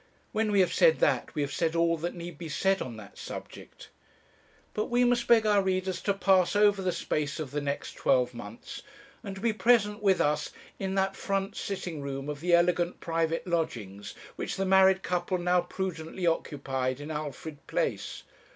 When we have said that, we have said all that need be said on that subject. "But we must beg our readers to pass over the space of the next twelve months, and to be present with us in that front sitting room of the elegant private lodgings, which the married couple now prudently occupied in Alfred Place.